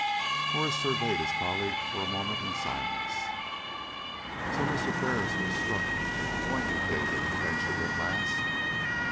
Horace surveyed his colleague for a moment in silence. "So Mr. Ferris was struck with the point you gave him?" he ventured, at last.